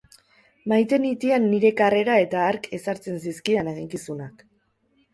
Maite nitian nire karrera eta hark ezartzen zizkidan eginkizunak.